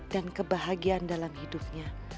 dan kebahagiaan dalam hidupnya